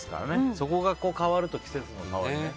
そこが変わると季節の変わり目。